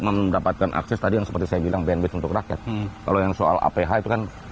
mendapatkan akses tadi yang seperti saya bilang bandbith untuk rakyat kalau yang soal aph itu kan